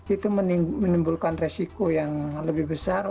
itu menimbulkan resiko yang lebih besar